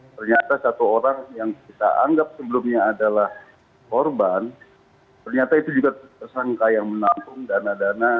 ternyata satu orang yang kita anggap sebelumnya adalah korban ternyata itu juga tersangka yang menampung dana dana